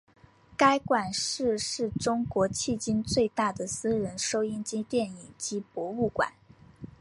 该馆是是中国迄今最大的私人收音机电影机博物馆。